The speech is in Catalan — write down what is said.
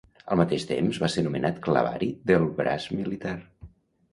Al mateix temps, va ser nomenat clavari del braç militar.